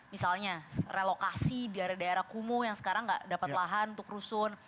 misalnya relokasi di daerah daerah kumuh yang sekarang tidak dapat lahan untuk rusun